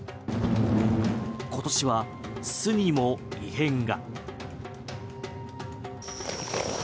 今年は巣にも異変が。